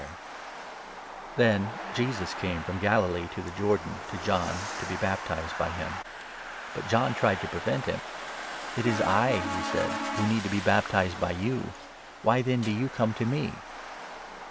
The Then Jesus came from Galilee to the Jordan, 13 Baptism of to John, to be baptized by him. But John tried 14 Jesus. t0 prevent him. "It is I," he said, "who need to be baptized by you ; why then do you come to me